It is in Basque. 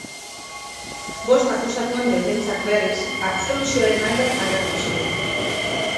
Bost akusatuen defentsak, berriz, absoluzioaren alde agertu ziren.